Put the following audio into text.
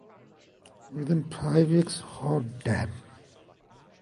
Within five weeks, Hot Damn!